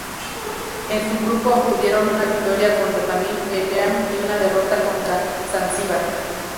En su grupo obtuvieron una victoria contra Tamil Eelam y una derrota contra Zanzibar.